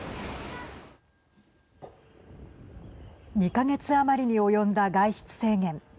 ２か月余りに及んだ外出制限。